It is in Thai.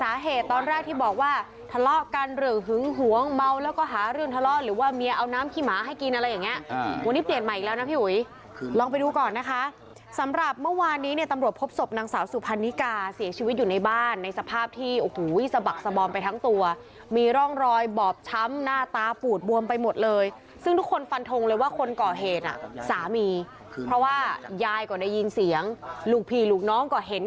อะไรอย่างเงี้ยวันนี้เปลี่ยนใหม่อีกแล้วนะพี่หุยลองไปดูก่อนนะคะสำหรับเมื่อวานนี้เนี่ยตำรวจพบศพนางสาวสุพรรณิกาเสียชีวิตอยู่ในบ้านในสภาพที่โอ้โหวี่สะบักสบอมไปทั้งตัวมีร่องรอยบอบช้ำหน้าตาปูดบวมไปหมดเลยซึ่งทุกคนฟันทงเลยว่าคนก่อเหตุอ่ะสามีเพราะว่ายายก็ได้ยินเสียงลูกผีลูกน้